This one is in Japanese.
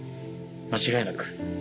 間違いなく。